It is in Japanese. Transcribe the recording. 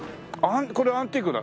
これアンティークだ。